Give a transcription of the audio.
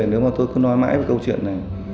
nếu mà tôi cứ nói mãi về câu chuyện này